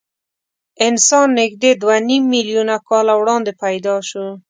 انسان نږدې دوه نیم میلیونه کاله وړاندې پیدا شو.